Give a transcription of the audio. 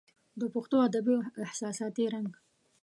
د پښتو ادبي او احساساتي رنګ